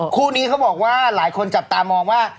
คู่นี้เขาบอกว่าหลายคนจับตามองว่า